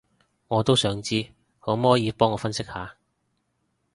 我都想知，可摸耳幫我分析下